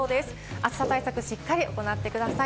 暑さ対策、しっかり行ってください。